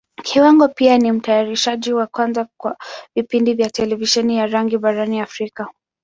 Kiwango pia ni Mtayarishaji wa kwanza wa vipindi vya Televisheni ya rangi barani Africa.